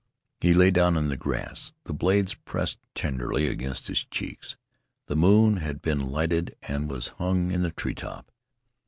He lay down in the grass. The blades pressed tenderly against his cheek. The moon had been lighted and was hung in a treetop.